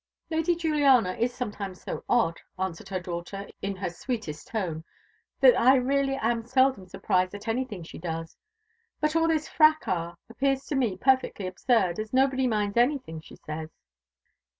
"Lady Juliana is sometimes so odd," answered her daughter in her sweetest tone, "that I really am seldom surprised at anything she does; but all this _fracas _appears to me perfectly absurd, as nobody minds anything she says."